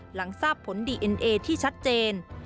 หลังทราบผลดีเอ็นเอที่ชัดเจน